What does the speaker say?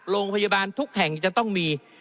โรงพยาบาลทุกแห่งจะต้องมี